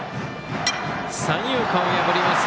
三遊間を破ります